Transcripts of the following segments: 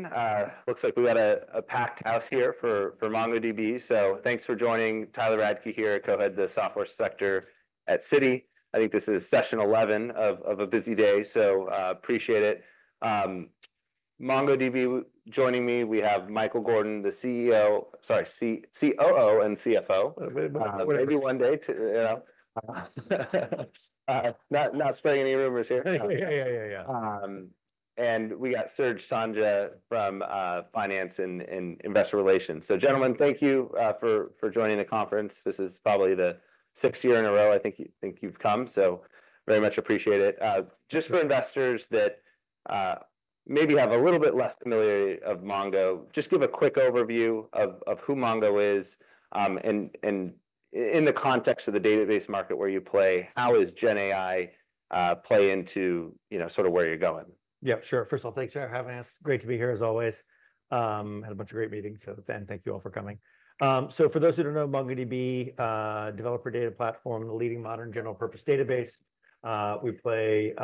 Everyone, looks like we got a packed house here for MongoDB, so thanks for joining. Tyler Radke here, I co-head the software sector at Citi. I think this is session 11 of a busy day, so appreciate it. MongoDB, joining me we have Michael Gordon, the CEO, sorry, COO and CFO. Uh, whatever. Maybe one day to, you know, not spreading any rumors here. Yeah, yeah, yeah, yeah. We got Serge Tanjga from Finance and Investor Relations. So, gentlemen, thank you for joining the conference. This is probably the sixth year in a row, I think you've come, so very much appreciate it. Just for investors that maybe have a little bit less familiarity of Mongo, just give a quick overview of who Mongo is. In the context of the database market where you play, how is GenAI play into, you know, sort of where you're going? Yeah, sure. First of all, thanks for having us. Great to be here, as always. Had a bunch of great meetings, and thank you all for coming. So for those who don't know, MongoDB, developer data platform, the leading modern general purpose database. We play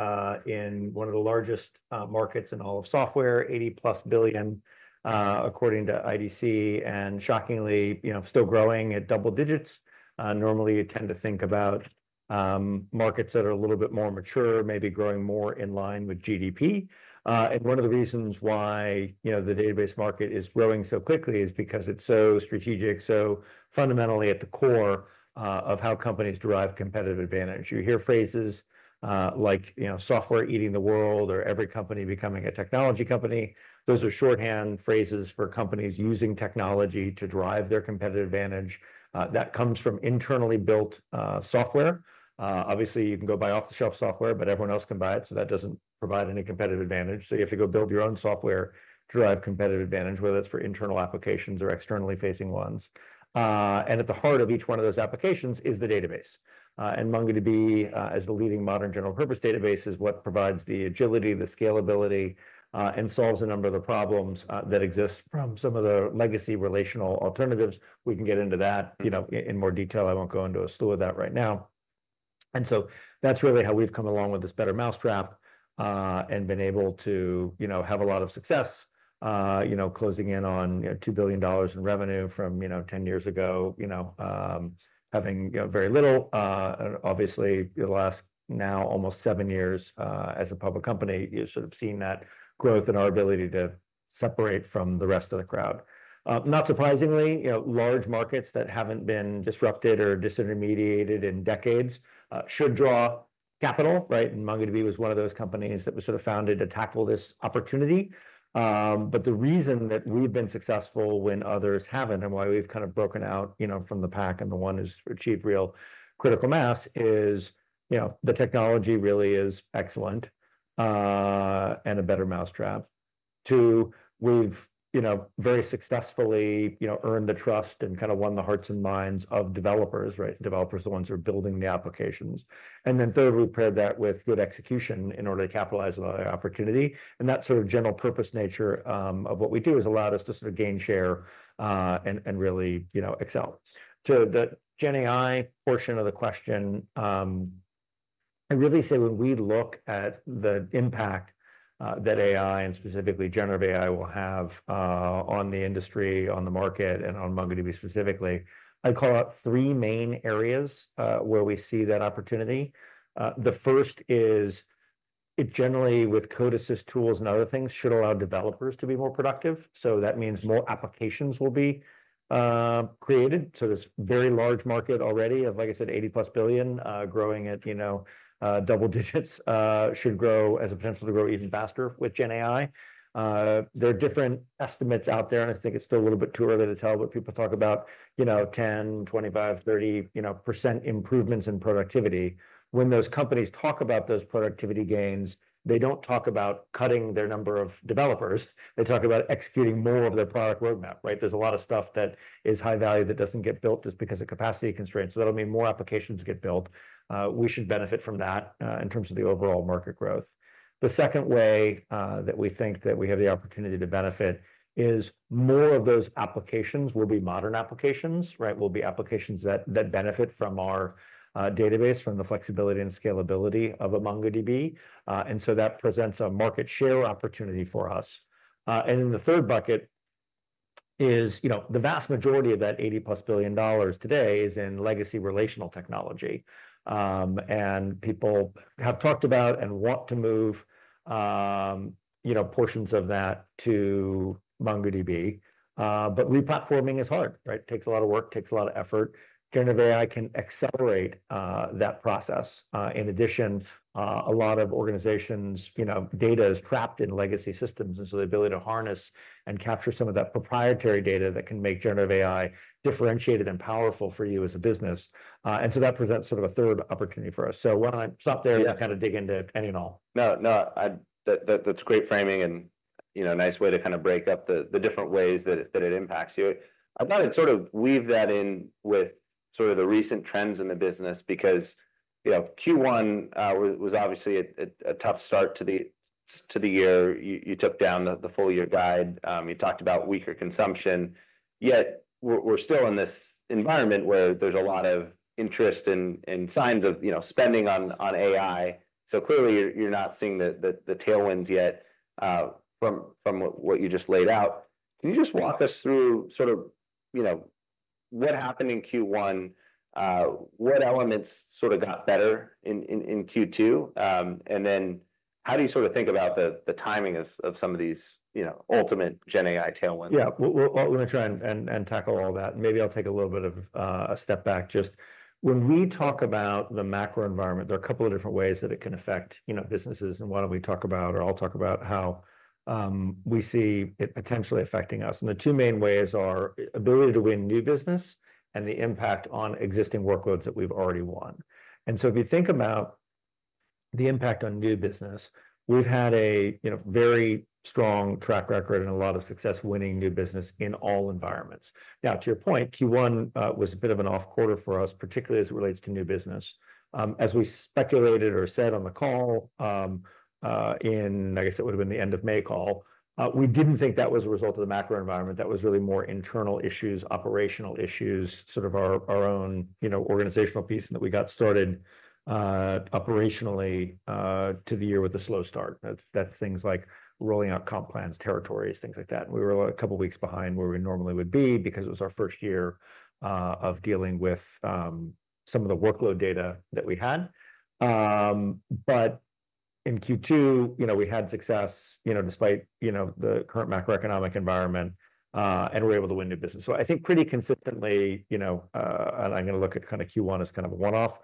in one of the largest markets in all of software, $80+ billion, according to IDC, and shockingly, you know, still growing at double digits. Normally, you tend to think about markets that are a little bit more mature, maybe growing more in line with GDP, and one of the reasons why, you know, the database market is growing so quickly is because it's so strategic, so fundamentally at the core of how companies derive competitive advantage. You hear phrases, like, you know, software eating the world or every company becoming a technology company. Those are shorthand phrases for companies using technology to drive their competitive advantage, that comes from internally built, software. Obviously, you can go buy off-the-shelf software, but everyone else can buy it, so that doesn't provide any competitive advantage. So you have to go build your own software, drive competitive advantage, whether that's for internal applications or externally facing ones. And at the heart of each one of those applications is the database. And MongoDB, as the leading modern general purpose database, is what provides the agility, the scalability, and solves a number of the problems, that exist from some of the legacy relational alternatives. We can get into that, you know, in more detail. I won't go into a slew of that right now. And so that's really how we've come along with this better mousetrap, and been able to, you know, have a lot of success, you know, closing in on $2 billion in revenue from 10 years ago. You know, having, you know, very little, obviously, the last now, almost seven years, as a public company, you've sort of seen that growth and our ability to separate from the rest of the crowd. Not surprisingly, you know, large markets that haven't been disrupted or disintermediated in decades, should draw capital, right? And MongoDB was one of those companies that was sort of founded to tackle this opportunity. But the reason that we've been successful when others haven't, and why we've kind of broken out, you know, from the pack, and the one who's achieved real critical mass is, you know, the technology really is excellent, and a better mousetrap. Two, we've, you know, very successfully, you know, earned the trust and kind of won the hearts and minds of developers, right? Developers, the ones who are building the applications. And then, third, we've paired that with good execution in order to capitalize on the opportunity, and that sort of general purpose nature of what we do has allowed us to sort of gain share, and really, you know, excel. To the GenAI portion of the question, I'd really say when we look at the impact that AI and specifically generative AI will have on the industry, on the market, and on MongoDB specifically, I'd call out three main areas where we see that opportunity. The first is it generally, with code assist tools and other things, should allow developers to be more productive, so that means more applications will be created. So this very large market already of, like I said, $80+ billion, growing at, you know, double digits, should grow, has the potential to grow even faster with GenAI. There are different estimates out there, and I think it's still a little bit too early to tell, but people talk about, you know, 10, 25, 30, you know, % improvements in productivity. When those companies talk about those productivity gains, they don't talk about cutting their number of developers. They talk about executing more of their product roadmap, right? There's a lot of stuff that is high value that doesn't get built just because of capacity constraints, so that'll mean more applications get built. We should benefit from that in terms of the overall market growth. The second way that we think that we have the opportunity to benefit is more of those applications will be modern applications, right? Will be applications that benefit from our database, from the flexibility and scalability of a MongoDB. And so that presents a market share opportunity for us. And then the third bucket is, you know, the vast majority of that $80+ billion today is in legacy relational technology. And people have talked about and want to move, you know, portions of that to MongoDB. But re-platforming is hard, right? It takes a lot of work, takes a lot of effort. Generative AI can accelerate that process. In addition, a lot of organizations, you know, data is trapped in legacy systems, and so the ability to harness and capture some of that proprietary data that can make generative AI differentiated and powerful for you as a business, and so that presents sort of a third opportunity for us. So why don't I stop there. Yeah... and kind of dig into Q&A and all? No, no, that's great framing and, you know, a nice way to kind of break up the different ways that it impacts you. I wanted to sort of weave that in with sort of the recent trends in the business, because, you know, Q1 was obviously a tough start to the year. You took down the full year guide. You talked about weaker consumption, yet we're still in this environment where there's a lot of interest and signs of, you know, spending on AI. So clearly, you're not seeing the tailwinds yet from what you just laid out. Can you just walk us through sort of what happened in Q1? What elements sort of got better in Q2? And then how do you sort of think about the timing of some of these, you know, ultimate GenAI tailwinds? Yeah. Well, let me try and tackle all that. Maybe I'll take a little bit of a step back. Just when we talk about the macro environment, there are a couple of different ways that it can affect, you know, businesses, and why don't we talk about, or I'll talk about how we see it potentially affecting us. And the two main ways are ability to win new business and the impact on existing workloads that we've already won. And so if you think about the impact on new business, we've had a, you know, very strong track record and a lot of success winning new business in all environments. Now, to your point, Q1 was a bit of an off quarter for us, particularly as it relates to new business. As we speculated or said on the call, I guess it would've been the end of May call, we didn't think that was a result of the macro environment. That was really more internal issues, operational issues, sort of our own, you know, organizational piece, and that we got started operationally to the year with a slow start. That's things like rolling out comp plans, territories, things like that. We were a couple of weeks behind where we normally would be because it was our first year of dealing with some of the workload data that we had. But in Q2, you know, we had success, you know, despite, you know, the current macroeconomic environment, and were able to win new business. So I think pretty consistently, you know, and I'm gonna look at kinda Q1 as kind of a one-off,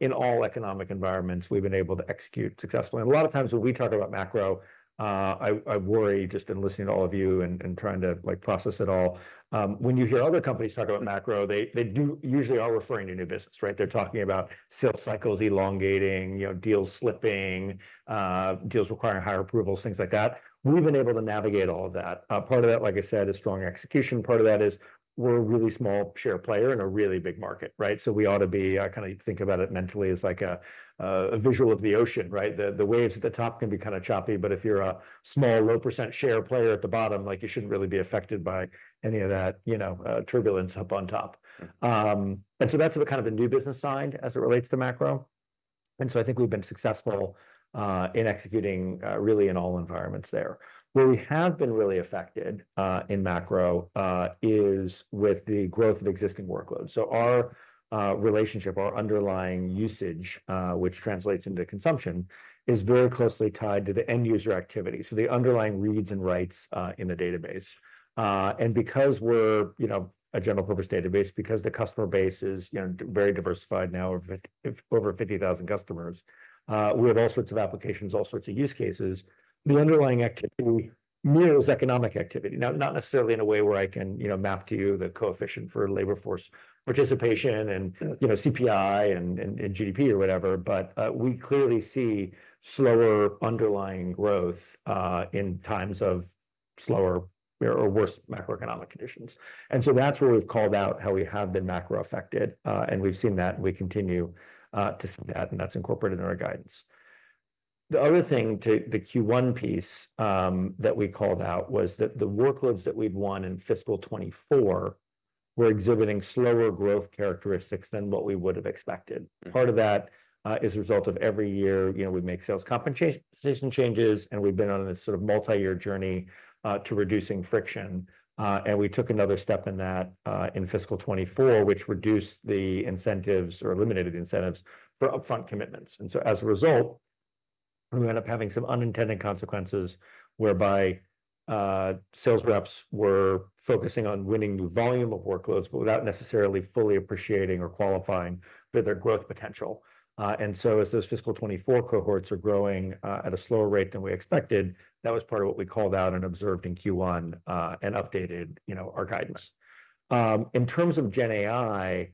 in all economic environments, we've been able to execute successfully. And a lot of times when we talk about macro, I worry just in listening to all of you and trying to, like, process it all. When you hear other companies talk about macro, they usually are referring to new business, right? They're talking about sales cycles elongating, you know, deals slipping, deals requiring higher approvals, things like that. We've been able to navigate all of that. Part of that, like I said, is strong execution. Part of that is we're a really small share player in a really big market, right? So we ought to be... I kinda think about it mentally as like a visual of the ocean, right? The waves at the top can be kinda choppy, but if you're a small, low % share player at the bottom, like, you shouldn't really be affected by any of that, you know, turbulence up on top. And so that's the kind of the new business side as it relates to macro. And so I think we've been successful in executing really in all environments there. Where we have been really affected in macro is with the growth of existing workloads. So our relationship, our underlying usage, which translates into consumption, is very closely tied to the end user activity, so the underlying reads and writes in the database. And because we're, you know, a general purpose database, because the customer base is, you know, very diversified now, with over fifty thousand customers, we have all sorts of applications, all sorts of use cases. The underlying activity mirrors economic activity. Now, not necessarily in a way where I can, you know, map to you the coefficient for labor force participation and, you know, CPI and GDP or whatever, but, we clearly see slower underlying growth, in times of slower or worse macroeconomic conditions. And so that's where we've called out how we have been macro affected, and we've seen that, and we continue to see that, and that's incorporated in our guidance. The other thing to the Q1 piece, that we called out, was that the workloads that we'd won in fiscal 2024 were exhibiting slower growth characteristics than what we would have expected. Mm. Part of that is a result of every year, you know, we make sales compensation changes, and we've been on this sort of multi-year journey to reducing friction, and we took another step in that in fiscal 2024, which reduced the incentives or eliminated the incentives for upfront commitments, and so as a result, we end up having some unintended consequences, whereby sales reps were focusing on winning new volume of workloads, but without necessarily fully appreciating or qualifying for their growth potential, and so as those fiscal 2024 cohorts are growing at a slower rate than we expected, that was part of what we called out and observed in Q1, and updated, you know, our guidance. In terms of GenAI,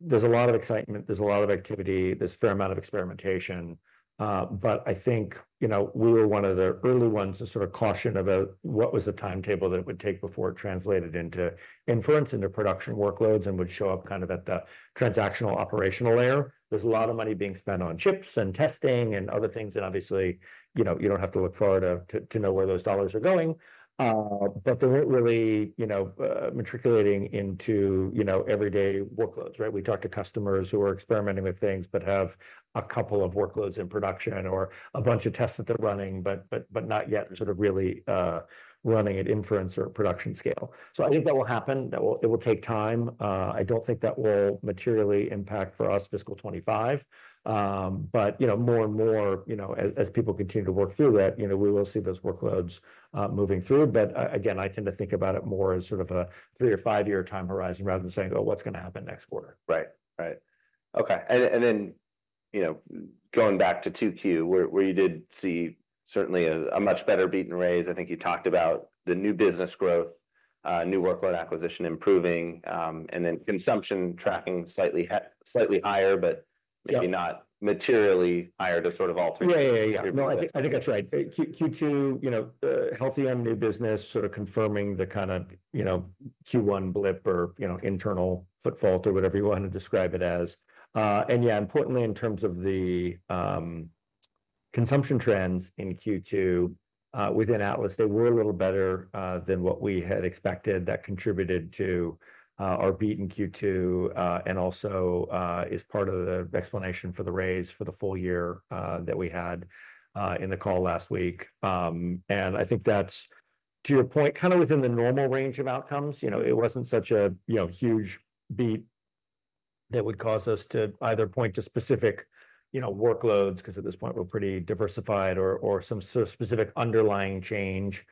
there's a lot of excitement, there's a lot of activity, there's fair amount of experimentation, but I think, you know, we were one of the early ones to sort of caution about what was the timetable that it would take before it translated into inference, into production workloads, and would show up kind of at the transactional, operational layer. There's a lot of money being spent on chips and testing and other things, and obviously, you know, you don't have to look far to know where those dollars are going. But they're not really, you know, matriculating into, you know, everyday workloads, right? We talk to customers who are experimenting with things but have a couple of workloads in production or a bunch of tests that they're running, but not yet sort of really running at inference or production scale. So I think that will happen. That will. It will take time. I don't think that will materially impact for us fiscal twenty-five. But, you know, more and more, you know, as people continue to work through that, you know, we will see those workloads moving through. But again, I tend to think about it more as sort of a three or five-year time horizon, rather than saying, "Oh, what's gonna happen next quarter? Right. Right. Okay, and then, you know, going back to 2Q, where you did see certainly a much better beat and raise. I think you talked about the new business growth, new workload acquisition improving, and then consumption tracking slightly higher, but- Yep... maybe not materially higher to sort of alter- Yeah, yeah, yeah. No, I think, I think that's right. Q2, you know, healthy new business, sort of confirming the kind of, you know, Q1 blip or, you know, internal foot fault or whatever you want to describe it as. And yeah, importantly, in terms of the consumption trends in Q2, within Atlas, they were a little better than what we had expected. That contributed to our beat in Q2, and also is part of the explanation for the raise for the full year that we had in the call last week. And I think that's, to your point, kinda within the normal range of outcomes. You know, it wasn't such a, you know, huge beat-... That would cause us to either point to specific, you know, workloads, 'cause at this point we're pretty diversified, or some sort of specific underlying change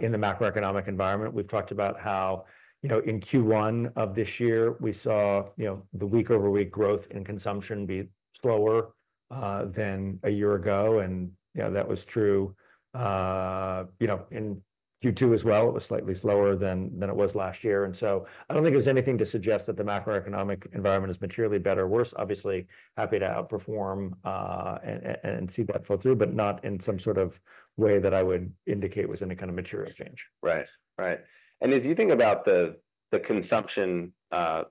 in the macroeconomic environment. We've talked about how, you know, in Q1 of this year, we saw, you know, the week-over-week growth in consumption be slower than a year ago. And, you know, that was true, you know, in Q2 as well. It was slightly slower than it was last year. And so I don't think there's anything to suggest that the macroeconomic environment is materially better or worse. Obviously, happy to outperform and see that fall through, but not in some sort of way that I would indicate was any kind of material change. Right. Right. And as you think about the consumption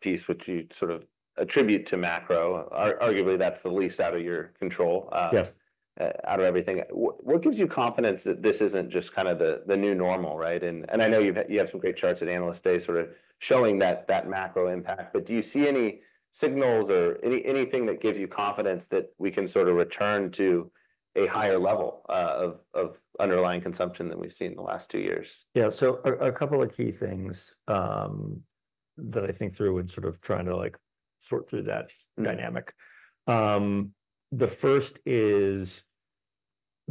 piece, which you sort of attribute to macro, arguably, that's the least out of your control. Yes... out of everything. What gives you confidence that this isn't just kinda the new normal, right? And I know you had some great charts at Analyst Day sort of showing that macro impact. But do you see any signals or anything that gives you confidence that we can sort of return to a higher level of underlying consumption than we've seen in the last two years? Yeah, so a couple of key things that I think through when sort of trying to, like, sort through that dynamic. The first is,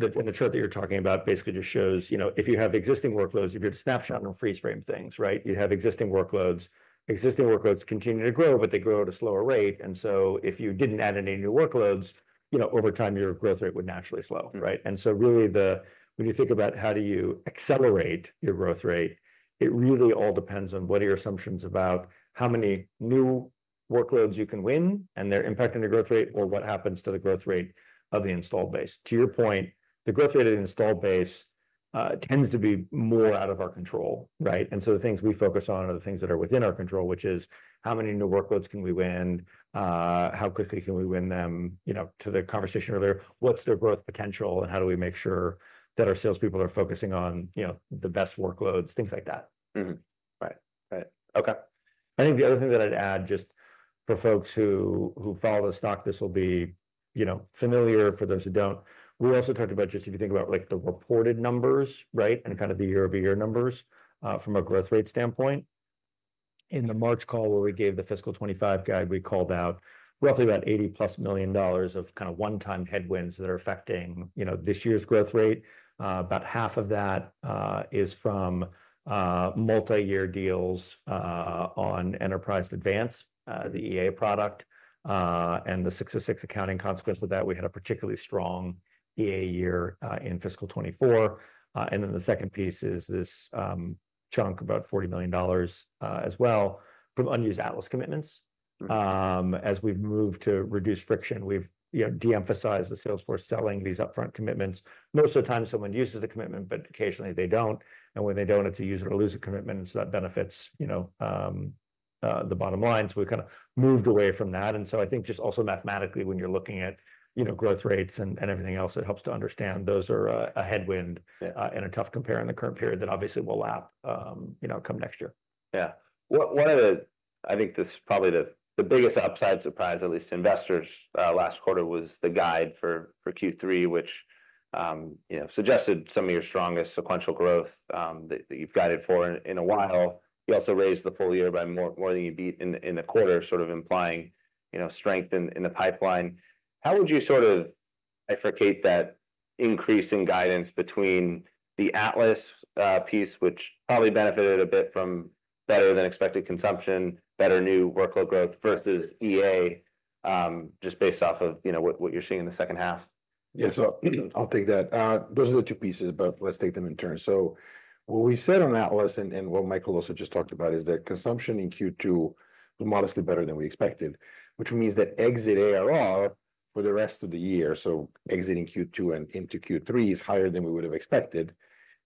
and the chart that you're talking about basically just shows, you know, if you have existing workloads, if you have to snapshot and freeze frame things, right? You have existing workloads. Existing workloads continue to grow, but they grow at a slower rate, and so if you didn't add any new workloads, you know, over time, your growth rate would naturally slow, right? Mm. And so really, when you think about how do you accelerate your growth rate, it really all depends on what are your assumptions about how many new workloads you can win and their impact on your growth rate, or what happens to the growth rate of the installed base. To your point, the growth rate of the installed base tends to be more out of our control, right? And so the things we focus on are the things that are within our control, which is: how many new workloads can we win? How quickly can we win them? You know, to the conversation earlier, what's their growth potential, and how do we make sure that our salespeople are focusing on, you know, the best workloads, things like that. Mm-hmm. Right. Right. Okay. I think the other thing that I'd add, just for folks who follow the stock, this will be, you know, familiar, for those who don't. We also talked about just if you think about, like, the reported numbers, right? And kind of the year-over-year numbers from a growth rate standpoint. In the March call, where we gave the fiscal 2025 guide, we called out roughly about $80-plus million of kinda one-time headwinds that are affecting, you know, this year's growth rate. About half of that is from multi-year deals on Enterprise Advanced, the EA product, and the ASC 606 accounting consequence of that. We had a particularly strong EA year in fiscal 2024. And then the second piece is this chunk, about $40 million, as well, from unused Atlas commitments. Mm. As we've moved to reduce friction, we've, you know, de-emphasized the sales force selling these upfront commitments. Most of the time, someone uses the commitment, but occasionally they don't, and when they don't, it's a use it or lose it commitment, so that benefits, you know, the bottom line. So we've kinda moved away from that. And so I think just also mathematically, when you're looking at, you know, growth rates and everything else, it helps to understand those are a headwind- Yeah... and a tough compare in the current period that obviously will lap, you know, come next year. Yeah. One of the, I think this is probably the biggest upside surprise, at least to investors, last quarter, was the guide for Q3, which, you know, suggested some of your strongest sequential growth that you've guided for in a while. You also raised the full year by more than you beat in the quarter, sort of implying, you know, strength in the pipeline. How would you sort of bifurcate that increase in guidance between the Atlas piece, which probably benefited a bit from better than expected consumption, better new workload growth, versus EA, just based off of, you know, what you're seeing in the second half? Yeah. So I'll take that. Those are the two pieces, but let's take them in turn. So what we said on Atlas and what Michael also just talked about is that consumption in Q2 was modestly better than we expected, which means that exit ARR for the rest of the year, so exiting Q2 and into Q3, is higher than we would have expected.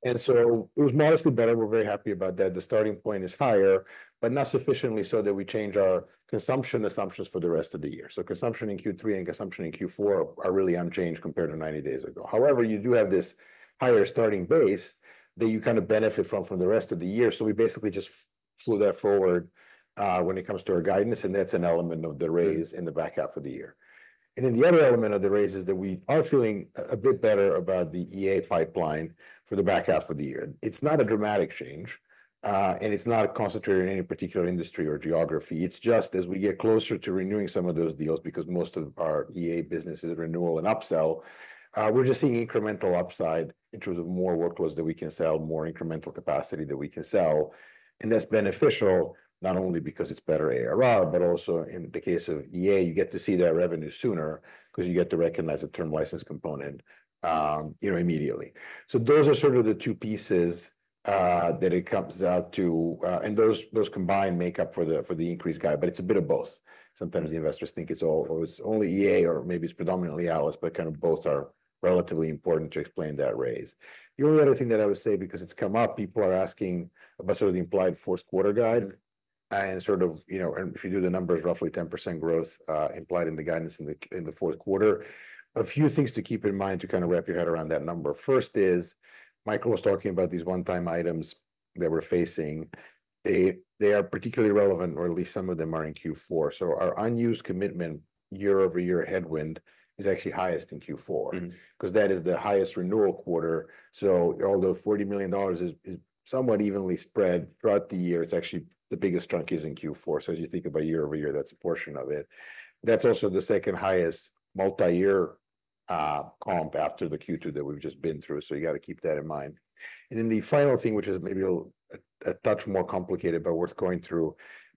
And so it was modestly better. We're very happy about that. The starting point is higher, but not sufficiently so that we change our consumption assumptions for the rest of the year. So consumption in Q3 and consumption in Q4 are really unchanged compared to ninety days ago. However, you do have this higher starting base that you kinda benefit from for the rest of the year. So we basically just flew that forward, when it comes to our guidance, and that's an element of the raise in the back half of the year. And then the other element of the raise is that we are feeling a bit better about the EA pipeline for the back half of the year. It's not a dramatic change, and it's not concentrated in any particular industry or geography. It's just as we get closer to renewing some of those deals, because most of our EA business is renewal and upsell, we're just seeing incremental upside in terms of more workloads that we can sell, more incremental capacity that we can sell. And that's beneficial, not only because it's better ARR, but also in the case of EA, you get to see that revenue sooner 'cause you get to recognize the term license component, you know, immediately. So those are sort of the two pieces that it comes out to. And those combined make up for the increased guide, but it's a bit of both. Sometimes the investors think it's all or it's only EA or maybe it's predominantly Atlas, but kind of both are relatively important to explain that raise. The only other thing that I would say, because it's come up, people are asking about sort of the implied fourth quarter guide. Mm. - and sort of, you know, and if you do the numbers, roughly 10% growth implied in the guidance in the fourth quarter. A few things to keep in mind to kinda wrap your head around that number. First is, Michael was talking about these one-time items that we're facing. They are particularly relevant, or at least some of them are, in Q4. So our unused commitment year-over-year headwind is actually highest in Q4- Mm-hmm 'Cause that is the highest renewal quarter. So although $40 million is somewhat evenly spread throughout the year, it's actually the biggest chunk is in Q4. So as you think about year over year, that's a portion of it. That's also the second highest multi-year comp after the Q2 that we've just been through, so you got to keep that in mind. And then the final thing, which is maybe a touch more complicated, but worth going through.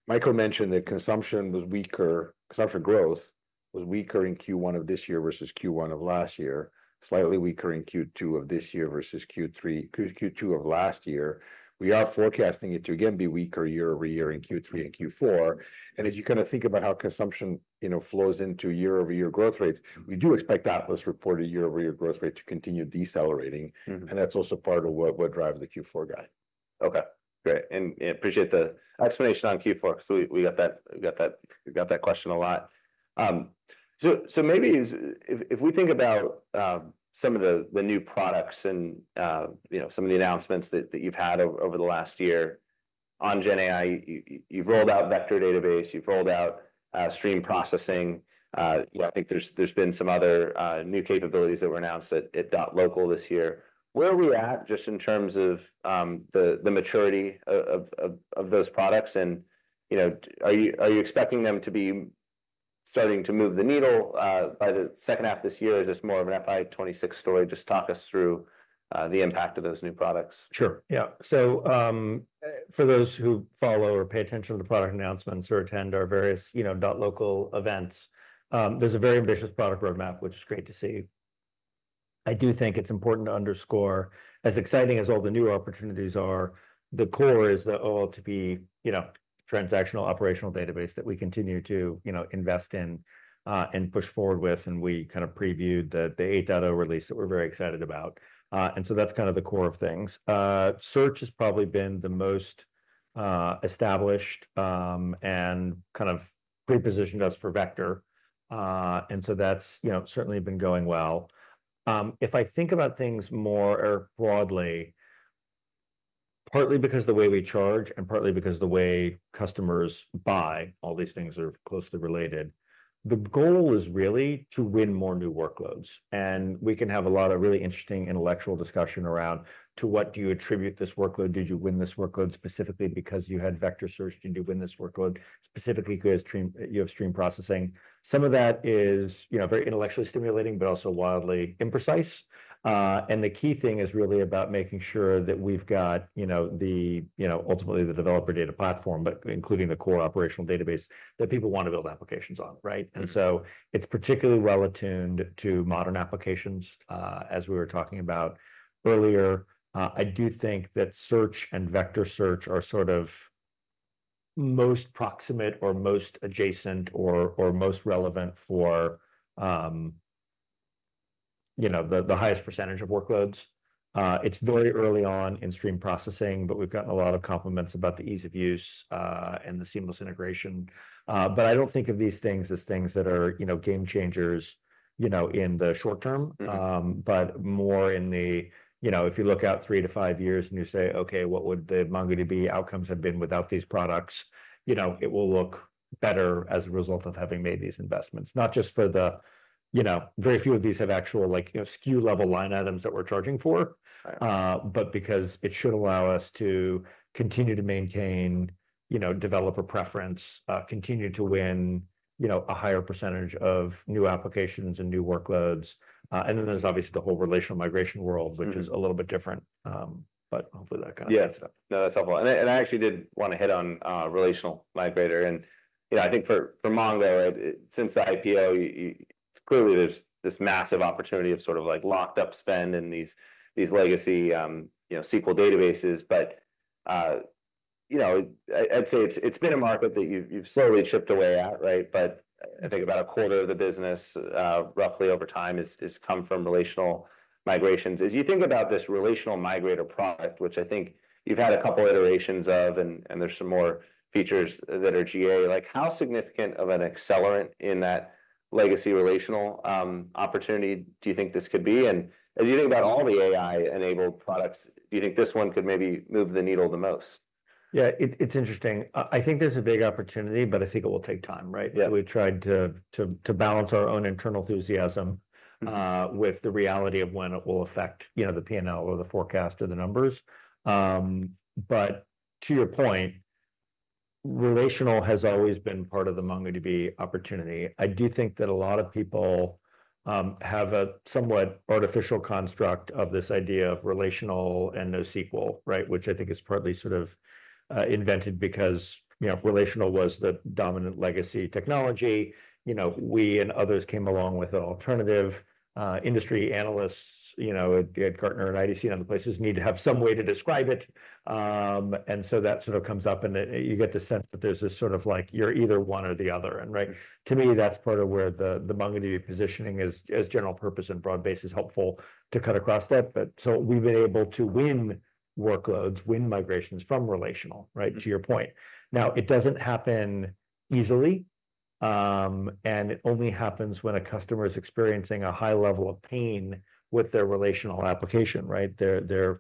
Michael mentioned that consumption growth was weaker in Q1 of this year versus Q1 of last year, slightly weaker in Q2 of this year versus Q2 of last year. We are forecasting it to again be weaker year over year in Q3 and Q4. As you kind of think about how consumption, you know, flows into year-over-year growth rates, we do expect Atlas reported year-over-year growth rate to continue decelerating. Mm-hmm. And that's also part of what drives the Q4 guide. Okay, great, and appreciate the explanation on Q4, so we got that question a lot. So maybe if we think about some of the new products and you know some of the announcements that you've had over the last year on GenAI, you've rolled out vector database, you've rolled out stream processing. Yeah, I think there's been some other new capabilities that were announced at .local this year. Where are we at just in terms of the maturity of those products? And you know are you expecting them to be starting to move the needle by the second half of this year or is this more of an FY 2026 story? Just talk us through the impact of those new products. Sure, yeah. So, for those who follow or pay attention to the product announcements or attend our various, you know, .local events, there's a very ambitious product roadmap, which is great to see. I do think it's important to underscore, as exciting as all the new opportunities are, the core is the OLTP, you know, transactional operational database that we continue to, you know, invest in and push forward with, and we kind of previewed the 8.0 release that we're very excited about. And so that's kind of the core of things. Search has probably been the most established and kind of pre-positioned us for Vector. And so that's, you know, certainly been going well. If I think about things more broadly, partly because the way we charge and partly because the way customers buy, all these things are closely related. The goal is really to win more new workloads, and we can have a lot of really interesting intellectual discussion around, to what do you attribute this workload? Did you win this workload specifically because you had vector search? Did you win this workload specifically because you have stream processing? Some of that is, you know, very intellectually stimulating, but also wildly imprecise, and the key thing is really about making sure that we've got, you know, ultimately the developer data platform, but including the core operational database that people want to build applications on, right? Mm-hmm. And so it's particularly well attuned to modern applications, as we were talking about earlier. I do think that search and vector search are sort of most proximate or most adjacent or most relevant for, you know, the highest percentage of workloads. It's very early on in stream processing, but we've gotten a lot of compliments about the ease of use, and the seamless integration. But I don't think of these things as things that are, you know, game changers, you know, in the short term- Mm-hmm... but more in the, you know, if you look out three to five years, and you say: okay, what would the MongoDB outcomes have been without these products? You know, it will look better as a result of having made these investments, not just for the... You know, very few of these have actual, like, you know, SKU level line items that we're charging for. Right. But because it should allow us to continue to maintain, you know, developer preference, continue to win, you know, a higher percentage of new applications and new workloads, and then there's obviously the whole relational migration world- Mm-hmm... which is a little bit different. But hopefully that kind of- Yeah. No, that's helpful. And I actually did want to hit on relational migrator and, you know, I think for Mongo there, since the IPO, clearly there's this massive opportunity of sort of like locked up spend in these legacy, you know, SQL databases. But, you know, I'd say it's been a market that you, you've slowly chipped away at, right? But I think about a quarter of the business, roughly over time has come from relational migrations. As you think about this relational migrator product, which I think you've had a couple iterations of, and there's some more features that are GA, like, how significant of an accelerant in that legacy relational opportunity do you think this could be? As you think about all the AI-enabled products, do you think this one could maybe move the needle the most? Yeah, it's interesting. I think there's a big opportunity, but I think it will take time, right? Yeah. We've tried to balance our own internal enthusiasm- Mm-hmm... with the reality of when it will affect, you know, the P&L or the forecast or the numbers. But to your point, relational has always been part of the MongoDB opportunity. I do think that a lot of people have a somewhat artificial construct of this idea of relational and NoSQL, right? Which I think is partly sort of invented because, you know, relational was the dominant legacy technology. You know, we and others came along with an alternative, industry analysts, you know, at Gartner and IDC, and other places need to have some way to describe it. And so that sort of comes up, and you get the sense that there's this sort of like you're either one or the other, and right- Mm-hmm... to me, that's part of where the MongoDB positioning as general purpose and broad base is helpful to cut across that. But so we've been able to win workloads, win migrations from relational, right? Mm-hmm. To your point. Now, it doesn't happen easily, and it only happens when a customer is experiencing a high level of pain with their relational application, right? They're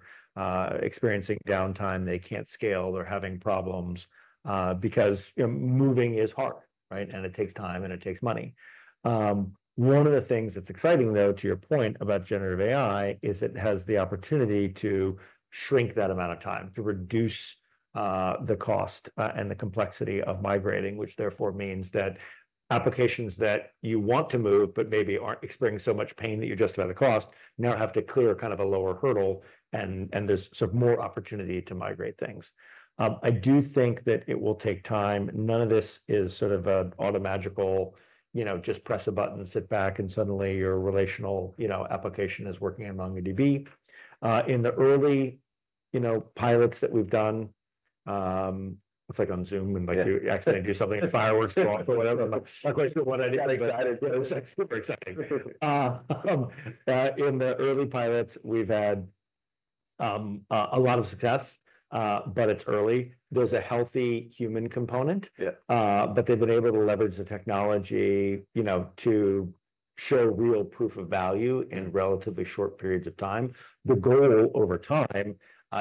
experiencing downtime, they can't scale, they're having problems, because, you know, moving is hard, right? And it takes time, and it takes money. One of the things that's exciting, though, to your point about generative AI, is it has the opportunity to shrink that amount of time, to reduce the cost, and the complexity of migrating, which therefore means that applications that you want to move but maybe aren't experiencing so much pain that you justify the cost, now have to clear kind of a lower hurdle, and there's sort of more opportunity to migrate things. I do think that it will take time. None of this is sort of an automagical, you know, just press a button, sit back, and suddenly your relational, you know, application is working in MongoDB. In the early, you know, pilots that we've done, it's like on Zoom, and like- Yeah, you accidentally do something, and fireworks go off or whatever. I'm like, "Not quite sure what I did," but- Got excited. Yeah, it was, like, super exciting. In the early pilots, we've had a lot of success, but it's early. There's a healthy human component. Yeah. But they've been able to leverage the technology, you know, to show real proof of value in relatively short periods of time. The goal over time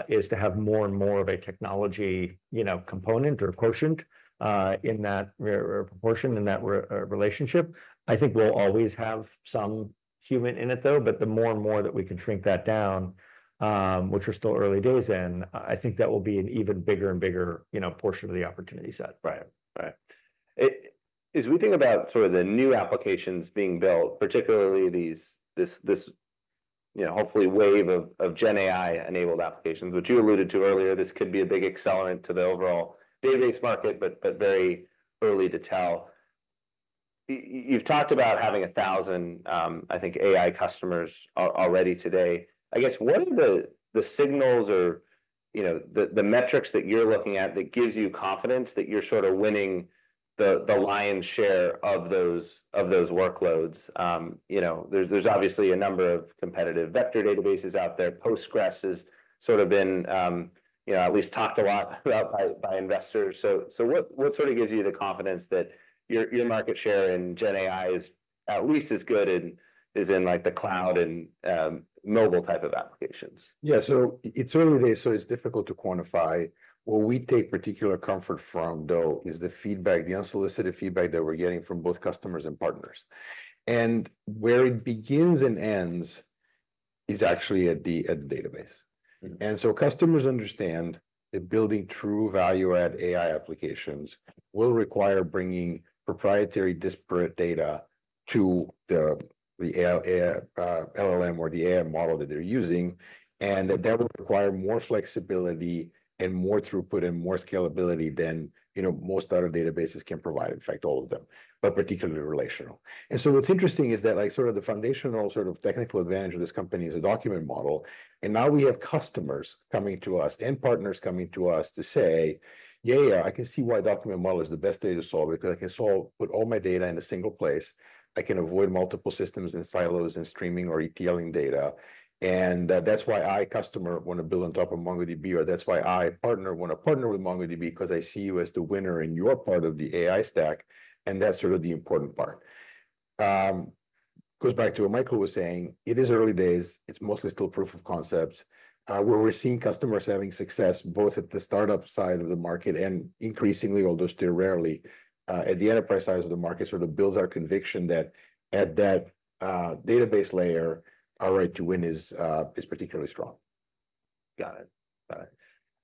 is to have more and more of a technology, you know, component or quotient in that relationship or proportion in that relationship. I think we'll always have some human in it, though, but the more and more that we can shrink that down, which we're still early days in, I think that will be an even bigger and bigger, you know, portion of the opportunity set. Right. Right. As we think about sort of the new applications being built, particularly these, this you know hopefully wave of GenAI-enabled applications, which you alluded to earlier, this could be a big accelerant to the overall database market, but very early to tell. You've talked about having a thousand I think AI customers already today. I guess what are the signals or you know the metrics that you're looking at that gives you confidence that you're sort of winning the lion's share of those workloads? You know there's obviously a number of competitive vector databases out there. Postgres has sort of been you know at least talked a lot about by investors. So, what sort of gives you the confidence that your market share in GenAI is at least as good in, as in, like, the cloud and mobile type of applications? Yeah, so it's early days, so it's difficult to quantify. What we take particular comfort from, though, is the feedback, the unsolicited feedback that we're getting from both customers and partners. And where it begins and ends is actually at the database. Mm-hmm. And so customers understand that building true value-add AI applications will require bringing proprietary, disparate data to the AI, LLM or the AI model that they're using, and that that will require more flexibility and more throughput and more scalability than, you know, most other databases can provide. In fact, all of them, but particularly relational. And so what's interesting is that, like, sort of the foundational sort of technical advantage of this company is a document model, and now we have customers coming to us and partners coming to us to say, "Yeah, yeah, I can see why document model is the best way to solve it, because I can put all my data in a single place. I can avoid multiple systems and silos and streaming or ETLing data, and, that's why I, customer, want to build on top of MongoDB," or, "That's why I, partner, want to partner with MongoDB, 'cause I see you as the winner in your part of the AI stack." And that's sort of the important part. Goes back to what Michael was saying. It is early days. It's mostly still proof of concepts where we're seeing customers having success, both at the start-up side of the market and increasingly, although still rarely, at the enterprise side of the market, sort of builds our conviction that at that database layer, our right to win is particularly strong. Got it. Got it.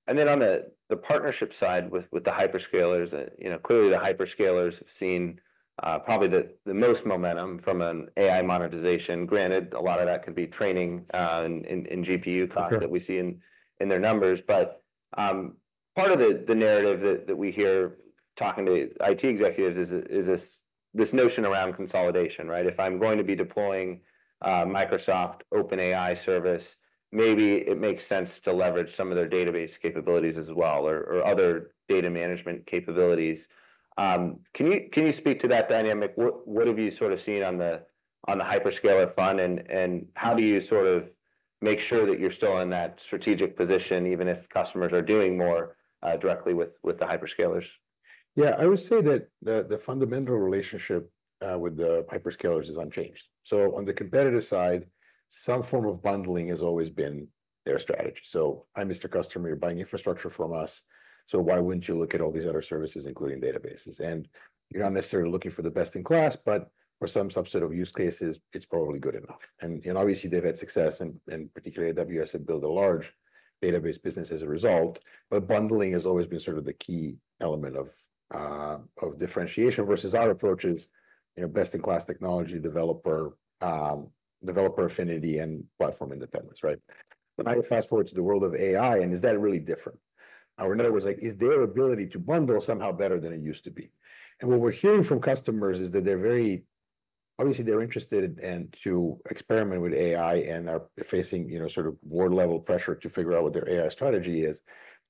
And then on the partnership side with the hyperscalers, you know, clearly the hyperscalers have seen probably the most momentum from an AI monetization. Granted, a lot of that could be training in GPU count- Sure... that we see in their numbers. But, part of the narrative that we hear talking to IT executives is this notion around consolidation, right? If I'm going to be deploying a Microsoft OpenAI service, maybe it makes sense to leverage some of their database capabilities as well or other data management capabilities. Can you speak to that dynamic? What have you sort of seen on the hyperscaler front, and how do you sort of make sure that you're still in that strategic position, even if customers are doing more directly with the hyperscalers? Yeah, I would say that the fundamental relationship with the hyperscalers is unchanged. So on the competitive side, some form of bundling has always been their strategy. "So I'm Mr. Customer, you're buying infrastructure from us, so why wouldn't you look at all these other services, including databases? And you're not necessarily looking for the best-in-class, but for some subset of use cases, it's probably good enough." And obviously, they've had success and particularly AWS have built a large database business as a result. But bundling has always been sort of the key element of differentiation, versus our approach is, you know, best-in-class technology, developer affinity, and platform independence, right? But now we fast-forward to the world of AI, and is that really different? In other words, like, is their ability to bundle somehow better than it used to be? And what we're hearing from customers is that they're very obviously, they're interested and to experiment with AI and are facing, you know, sort of board-level pressure to figure out what their AI strategy is.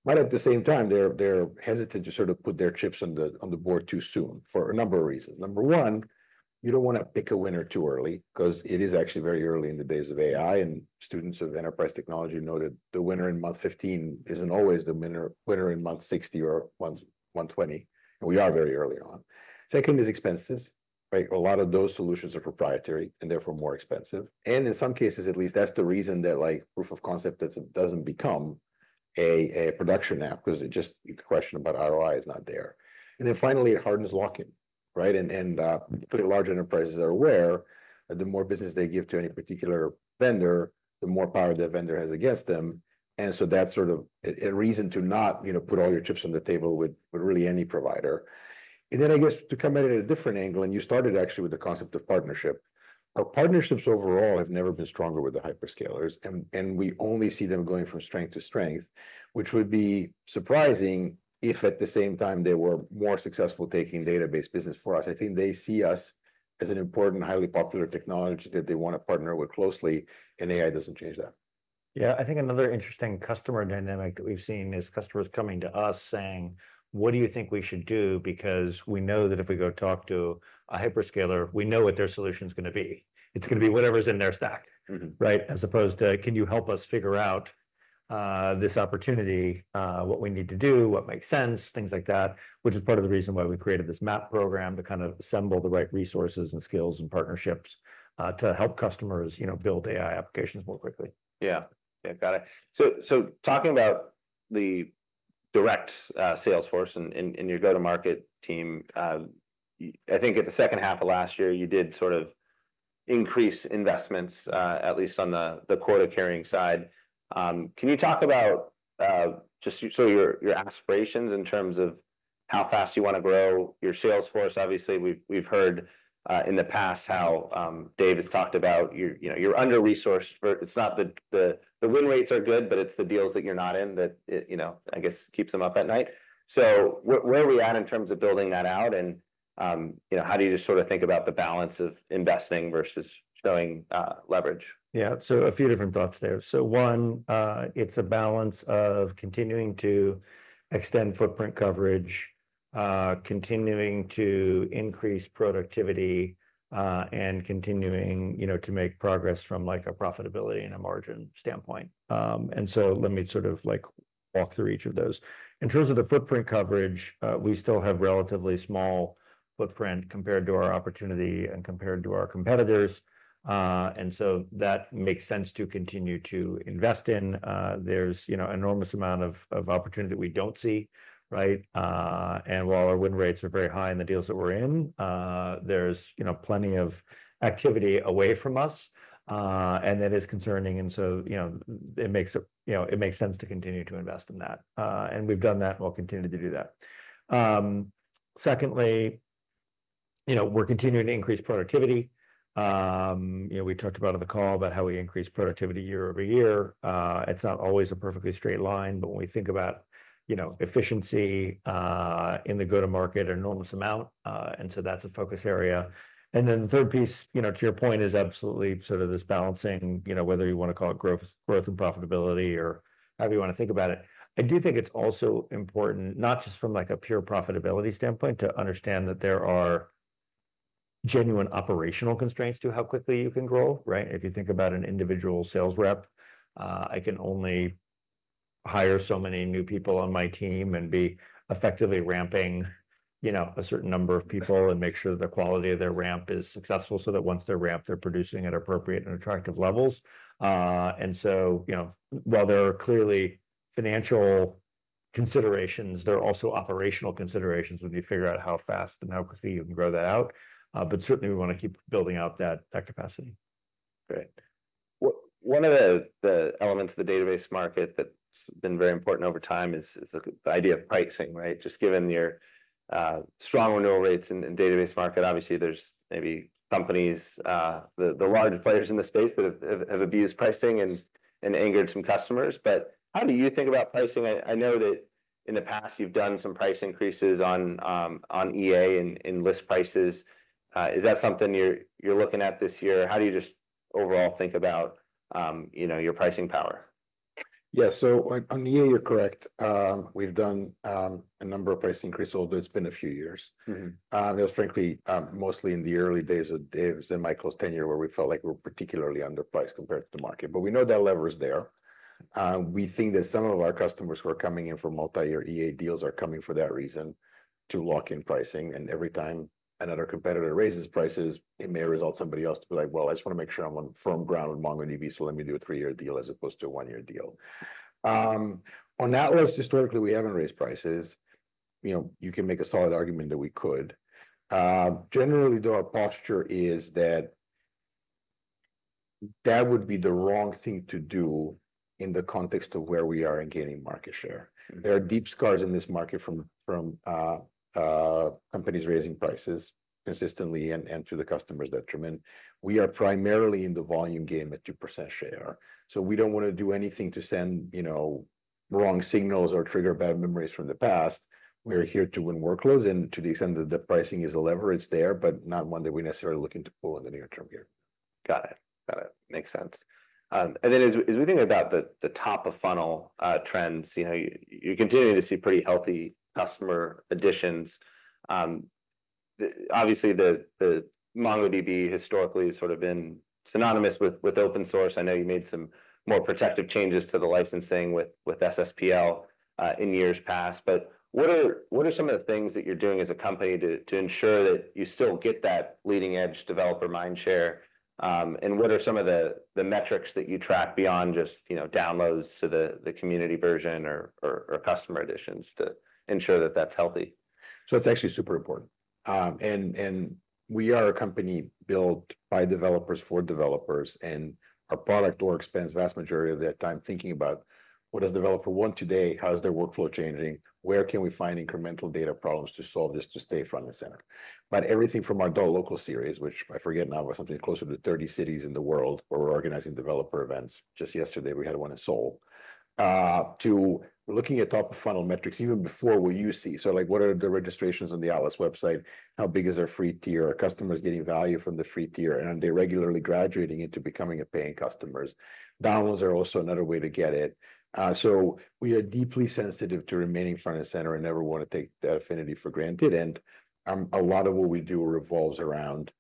But at the same time, they're hesitant to sort of put their chips on the board too soon, for a number of reasons. Number one, you don't wanna pick a winner too early, 'cause it is actually very early in the days of AI, and students of enterprise technology know that the winner in month 15 isn't always the winner in month 60 or month 120, and we are very early on. Second is expenses, right? A lot of those solutions are proprietary and therefore more expensive, and in some cases at least, that's the reason that, like, proof of concept doesn't become a production app, 'cause it just... the question about ROI is not there. And then finally, it hardens lock-in.... right? And pretty large enterprises are aware that the more business they give to any particular vendor, the more power the vendor has against them. And so that's sort of a reason to not, you know, put all your chips on the table with really any provider. And then I guess to come at it at a different angle, and you started actually with the concept of partnership. Our partnerships overall have never been stronger with the hyperscalers, and we only see them going from strength to strength, which would be surprising if, at the same time, they were more successful taking database business for us. I think they see us as an important, highly popular technology that they want to partner with closely, and AI doesn't change that. Yeah, I think another interesting customer dynamic that we've seen is customers coming to us saying: "What do you think we should do? Because we know that if we go talk to a hyperscaler, we know what their solution's gonna be. It's gonna be whatever's in their stack- Mm-hmm. -right? As opposed to, "Can you help us figure out, this opportunity, what we need to do, what makes sense," things like that, which is part of the reason why we created this MAAP program, to kind of assemble the right resources and skills and partnerships, to help customers, you know, build AI applications more quickly. Yeah. Yeah, got it. So talking about the direct sales force and your go-to-market team, I think at the second half of last year, you did sort of increase investments, at least on the quota-carrying side. Can you talk about just your aspirations in terms of how fast you wanna grow your sales force? Obviously, we've heard in the past how Dave has talked about your—you know, you're under-resourced for... It's not the win rates are good, but it's the deals that you're not in that it, you know, I guess, keeps him up at night. So where are we at in terms of building that out, and you know, how do you just sort of think about the balance of investing versus showing leverage? Yeah, so a few different thoughts there. So one, it's a balance of continuing to extend footprint coverage, continuing to increase productivity, and continuing, you know, to make progress from, like, a profitability and a margin standpoint. And so let me sort of, like, walk through each of those. In terms of the footprint coverage, we still have relatively small footprint compared to our opportunity and compared to our competitors. And so that makes sense to continue to invest in. There's, you know, enormous amount of opportunity that we don't see, right? And while our win rates are very high in the deals that we're in, there's, you know, plenty of activity away from us, and that is concerning, and so, you know, it makes sense to continue to invest in that. And we've done that, and we'll continue to do that. Secondly, you know, we're continuing to increase productivity. You know, we talked about on the call about how we increase productivity year over year. It's not always a perfectly straight line, but when we think about, you know, efficiency, in the go-to-market, an enormous amount, and so that's a focus area. And then the third piece, you know, to your point, is absolutely sort of this balancing, you know, whether you wanna call it growth, growth and profitability or however you wanna think about it. I do think it's also important, not just from, like, a pure profitability standpoint, to understand that there are genuine operational constraints to how quickly you can grow, right? If you think about an individual sales rep, I can only hire so many new people on my team and be effectively ramping, you know, a certain number of people and make sure the quality of their ramp is successful, so that once they're ramped, they're producing at appropriate and attractive levels, and so, you know, while there are clearly financial considerations, there are also operational considerations when you figure out how fast and how quickly you can grow that out, but certainly, we want to keep building out that capacity. Great. One of the elements of the database market that's been very important over time is the idea of pricing, right? Just given your strong renewal rates in database market, obviously, there's maybe companies, the larger players in the space that have abused pricing and angered some customers. But how do you think about pricing? I know that in the past you've done some price increases on on EA and in list prices. Is that something you're looking at this year? How do you just overall think about you know your pricing power? Yeah. So on yield, you're correct. We've done a number of price increases, although it's been a few years. Mm-hmm. You know, frankly, mostly in the early days of Dave's and my close tenure, where we felt like we were particularly underpriced compared to the market, but we know that lever is there. We think that some of our customers who are coming in for multi-year EA deals are coming for that reason, to lock in pricing. And every time another competitor raises prices, it may result somebody else to be like: "Well, I just wanna make sure I'm on firm ground with MongoDB, so let me do a three-year deal as opposed to a one-year deal. Mm-hmm. On that list, historically, we haven't raised prices. You know, you can make a solid argument that we could. Generally, though, our posture is that that would be the wrong thing to do in the context of where we are in gaining market share. Mm-hmm. There are deep scars in this market from companies raising prices consistently and to the customer's detriment. We are primarily in the volume game at 2% share, so we don't wanna do anything to send, you know, wrong signals or trigger bad memories from the past. We're here to win workloads, and to the extent that the pricing is a leverage there, but not one that we're necessarily looking to pull in the near term here. Got it. Got it. Makes sense. And then as we think about the top-of-funnel trends, you know, you continue to see pretty healthy customer additions. Obviously, the MongoDB historically has sort of been synonymous with open source. I know you made some more protective changes to the licensing with SSPL in years past, but what are some of the things that you're doing as a company to ensure that you still get that leading-edge developer mindshare? And what are some of the metrics that you track beyond just, you know, downloads to the community version or customer editions to ensure that that's healthy? So it's actually super important, and we are a company built by developers for developers, and our product org spends vast majority of their time thinking about what does a developer want today? How is their workflow changing? Where can we find incremental data problems to solve just to stay front and center? But everything from our local series, which I forget now, was something closer to 30 cities in the world, where we're organizing developer events. Just yesterday, we had one in Seoul to looking at top-of-funnel metrics even before what you see, so like, what are the registrations on the Atlas website? How big is our free tier? Are customers getting value from the free tier, and are they regularly graduating into becoming a paying customers? Downloads are also another way to get it. So we are deeply sensitive to remaining front and center and never want to take that affinity for granted, and a lot of what we do revolves around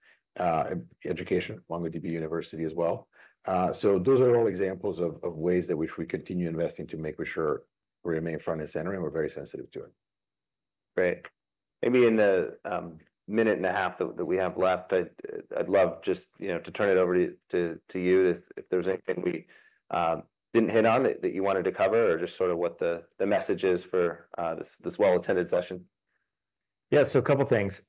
education, MongoDB University as well. So those are all examples of ways that which we continue investing to make sure we remain front and center, and we're very sensitive to it. Great. Amy, in the minute and a half that we have left, I'd love just, you know, to turn it over to you, if there's anything we didn't hit on that you wanted to cover or just sort of what the message is for this well-attended session. Yeah, so a couple things.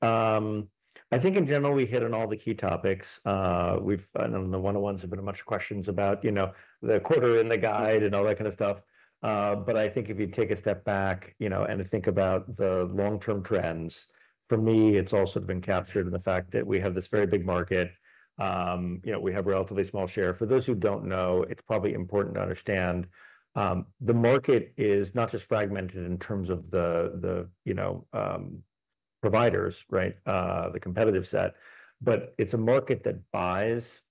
I think in general, we hit on all the key topics. We've I know the one-on-ones have been a bunch of questions about, you know, the quarter in the guide and all that kind of stuff. But I think if you take a step back, you know, and think about the long-term trends, for me, it's also been captured in the fact that we have this very big market. You know, we have relatively small share. For those who don't know, it's probably important to understand, the market is not just fragmented in terms of the, you know, providers, right, the competitive set, but it's a market that buys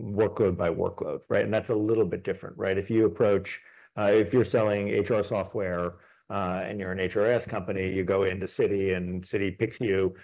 workload by workload, right? And that's a little bit different, right? If you approach, if you're selling HR software, and you're an HRIS company, you go into Citi, and Citi picks you,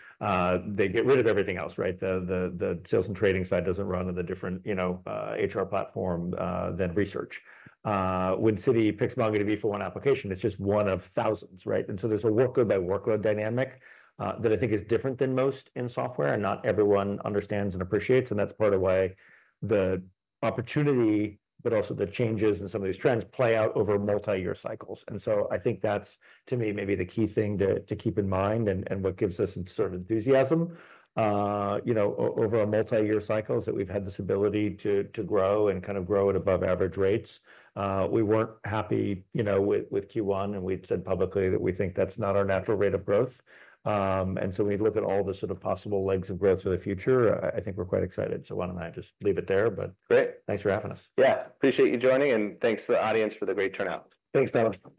they get rid of everything else, right? The sales and trading side doesn't run on a different, you know, HR platform than research. When Citi picks MongoDB for one application, it's just one of thousands, right? And so there's a workload-by-workload dynamic, that I think is different than most in software, and not everyone understands and appreciates, and that's part of why the opportunity, but also the changes in some of these trends, play out over multi-year cycles. And so I think that's, to me, maybe the key thing to keep in mind and what gives us some sort of enthusiasm. You know, over our multi-year cycles, that we've had this ability to grow and kind of grow at above average rates. We weren't happy, you know, with Q1, and we've said publicly that we think that's not our natural rate of growth, and so we look at all the sort of possible legs of growth for the future. I think we're quite excited, so why don't I just leave it there, but- Great. Thanks for having us. Yeah. Appreciate you joining, and thanks to the audience for the great turnout. Thanks, Donald.